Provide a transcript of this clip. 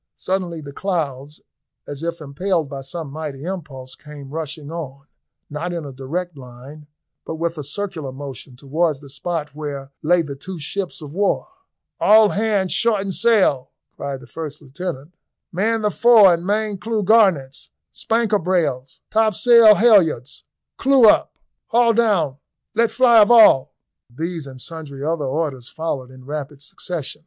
Suddenly the clouds, as if impelled by some mighty impulse, came rushing on, not in a direct line, but with a circular motion, towards the spot where lay the two ships of war. "All hands shorten sail," cried the first lieutenant. "Man the fore and main clew garnets, spanker brails topsail halyards clew up haul down, let fly of all." These and sundry other orders followed in rapid succession.